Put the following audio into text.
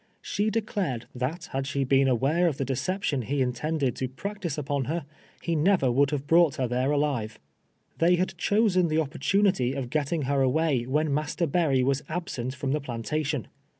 Siie declared that had she ])L'im awai'c of the decej)tion he intended t(^ practice n})on her, he never Avoidd have hronght lier there alive. They had chosen tlie opportunity of getting her away when INIaster Berry was ahsentfroni the i>lantation.